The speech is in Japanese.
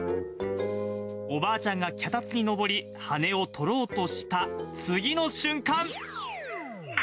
おばあちゃんが脚立に上り、羽根を取ろうとした次の瞬間。